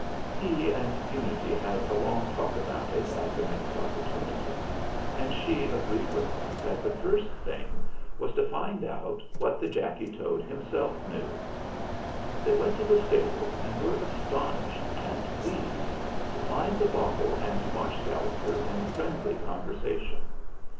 He and Unity had a long talk about it at the next opportunity, and she agreed with him that the first thing was to find out what the Jacky Toad himself knew. They went to the stable and were astonished and pleased to find the bottle and Marsh Gal loper in friendly conversation.